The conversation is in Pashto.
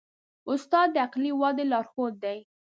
استاد د عقلي ودې لارښود دی.